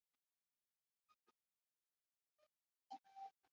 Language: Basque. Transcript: Zer gosaldu duzu?